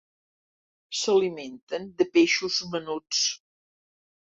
S'alimenten de peixos menuts.